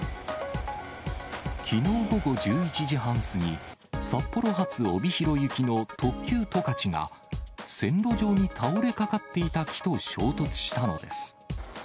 きのう午後１１時半過ぎ、札幌発帯広行きの特急とかちが、線路上に倒れかかっていた木と衝突したのです。